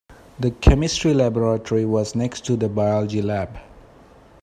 The chemistry laboratory was next to the biology lab